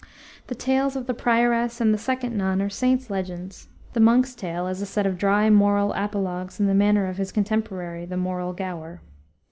The tales of the prioress and the second nun are saints' legends. The Monk's Tale is a set of dry, moral apologues in the manner of his contemporary, the "moral Gower."